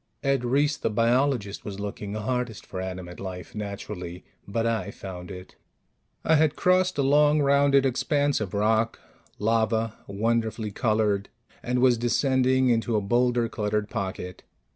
Ed Reiss, the biologist, was looking hardest for animate life, naturally. But I found it. I had crossed a long, rounded expanse of rock lava, wonderfully colored and was descending into a boulder cluttered pocket.